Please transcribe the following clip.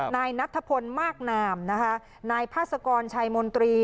นายนัทธพลมากนามนะคะนายพาสกรชัยมนตรี